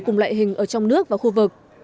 cùng loại hình ở trong nước và khu vực